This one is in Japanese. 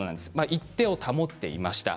一定を保っていました。